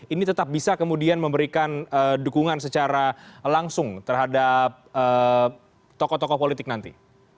ini tetap bisa kemudian memberikan dukungan secara langsung terhadap tokoh tokoh politik nanti